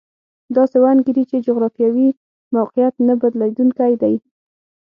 داسې وانګېري چې جغرافیوي موقعیت نه بدلېدونکی دی.